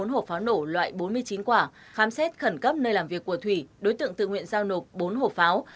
bốn hộp pháo nổ loại bốn mươi chín quả khám xét khẩn cấp nơi làm việc của thủy đối tượng tự nguyện giao nộp bốn hộp pháo